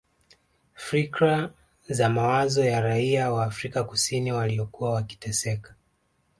Fikra na mawazo ya raia wa Afrika kusini waliokuwa wakiteseka